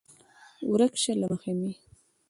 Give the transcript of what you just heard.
ورک شه له مخې مې!